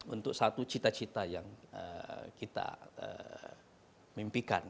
untuk satu cita cita yang kita mimpikan